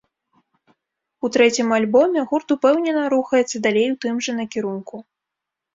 У трэцім альбоме гурт упэўнена рухаецца далей у тым жа накірунку.